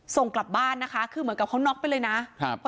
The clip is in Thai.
ส่งกลับบ้านนะคะคือเหมือนกับเขาน็อกไปเลยนะครับ